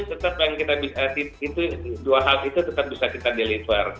nah jadi itu yang kita bisa dua hal itu tetap bisa kita deliver